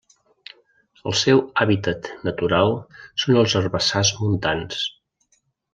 El seu hàbitat natural són els herbassars montans.